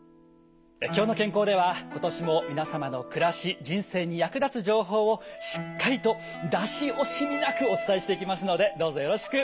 「きょうの健康」では今年も皆様の暮らし人生に役立つ情報をしっかりと出し惜しみなくお伝えしていきますのでどうぞよろしく。